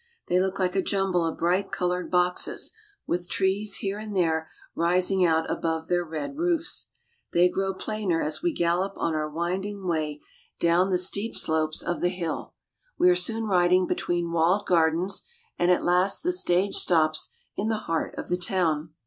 They look like a jumble of bright colored boxes, with trees here and there rising out above their red roofs. They grow plainer as we gallop on our winding way down CARP. S. AM. — 6 88 BOLIVIA. the steep slopes of the hill. We are soon riding between walled gardens, and at last the stage stops in the heart of the town.